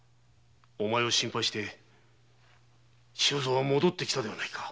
お前を心配して周蔵は戻ってきたではないか。